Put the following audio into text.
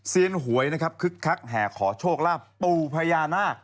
หวยนะครับคึกคักแห่ขอโชคลาภปู่พญานาค